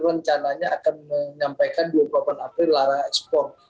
rencananya akan menyampaikan dua puluh delapan april larangan ekspor